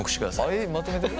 えっまとめてる。